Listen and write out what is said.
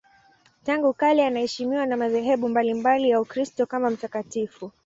Tangu kale anaheshimiwa na madhehebu mbalimbali ya Ukristo kama mtakatifu.